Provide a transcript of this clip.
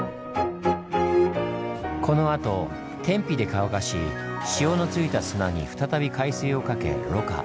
このあと天日で乾かし塩のついた砂に再び海水をかけろ過。